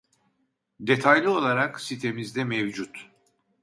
Detaylı olarak sitemizde mevcut